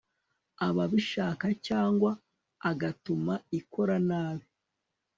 abishaka cyangwa agatuma ikora nabi